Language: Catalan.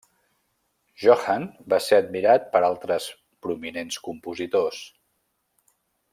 Johann va ser admirat per altres prominents compositors.